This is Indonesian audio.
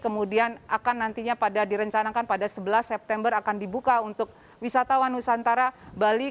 kemudian akan nantinya pada direncanakan pada sebelas september akan dibuka untuk wisatawan nusantara bali